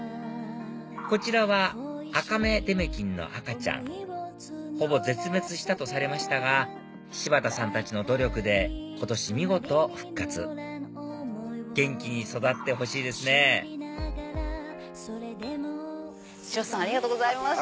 こちらは赤目出目金の赤ちゃんほぼ絶滅したとされましたが柴田さんたちの努力で今年見事復活元気に育ってほしいですねありがとうございました。